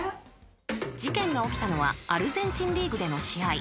［事件が起きたのはアルゼンチンリーグでの試合］